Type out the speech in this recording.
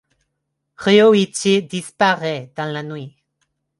Ryoichi disparait dans la nuit.